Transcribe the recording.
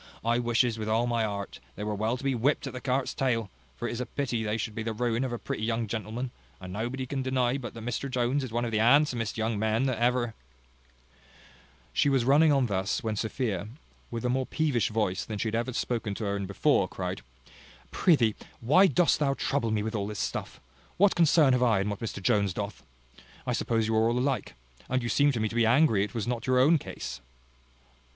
I wishes, with all my heart, they were well to be whipped at the cart's tail; for it is pity they should be the ruin of a pretty young gentleman; and nobody can deny but that Mr Jones is one of the most handsomest young men that ever " She was running on thus, when Sophia, with a more peevish voice than she had ever spoken to her in before, cried, "Prithee, why dost thou trouble me with all this stuff? What concern have I in what Mr Jones doth? I suppose you are all alike. And you seem to me to be angry it was not your own case."